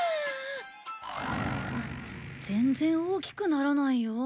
全然大きくならないよ？